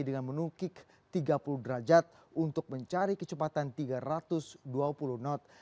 dengan menukik tiga puluh derajat untuk mencari kecepatan tiga ratus dua puluh knot